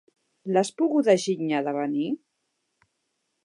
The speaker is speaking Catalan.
L'has poguda ginyar de venir?